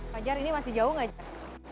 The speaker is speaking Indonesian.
pajar ini masih jauh nggak jar